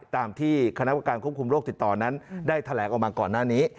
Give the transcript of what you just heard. ตามที่คณะประการควบคุมโรคติดต่อนั้นได้แถลงออกมาก่อนหน้านี้